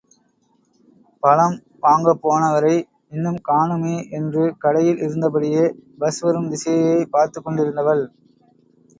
பழம் வாங்கப்போனவரை இன்னும் காணுமே என்று கடையில் இருந்தபடியே, பஸ் வரும் திசையையே பார்த்துக் கொண்டிருந்தவள்.